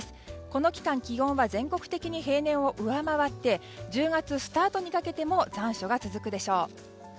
この期間、気温は全国的に平年を上回って１０月スタートにかけても残暑が続くでしょう。